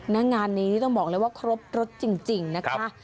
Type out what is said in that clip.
งานนี้ต้องบอกเลยว่าครบรสจริงนะคะ